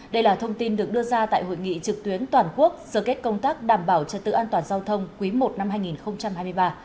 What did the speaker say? đây là thông tin được đưa ra tại hội nghị trực tuyến toàn quốc sở kết công tác đảm bảo trật tự an toàn giao thông quý i năm hai nghìn hai mươi ba